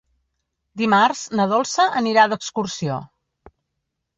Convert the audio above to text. Dimarts na Dolça anirà d'excursió.